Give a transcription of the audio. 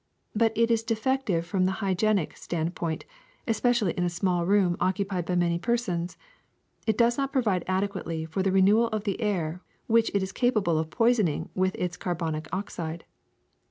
But it is defective from the hygienic stand point, especially in a small room occupied by many persons; it does not provide adequately for the re newal of the air, which it is capable of poisoning with its carbonic oxide.